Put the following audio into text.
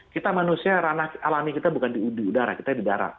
kita manusia ranah alami kita bukan di udara kita di darat